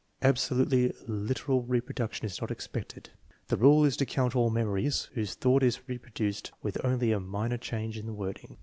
Absolutely literal reproduction is not expected. The rule is to count all memories whose thought is repro duced with only minor changes in the wording.